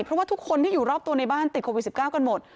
เพราะว่าทุกคนที่อยู่รอบตัวในบ้านติดโควิด๑๙กันหมด